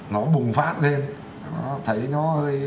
nó bùng phát lên nó thấy nó hơi